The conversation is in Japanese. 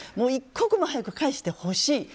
一刻も早く返してほしい。